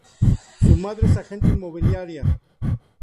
Su madre es agente inmobiliaria.